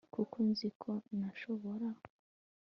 kuko nzi ko nashobora !!